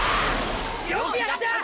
よくやった！！